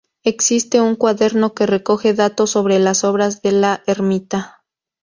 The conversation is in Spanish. Existe un cuaderno que recoge datos sobre las obras de la Ermita.